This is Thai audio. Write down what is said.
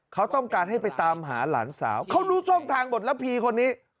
เขาต้องการให้ไปตามหาหลานสาวเขารู้ช่องทางบทระพีคนนี้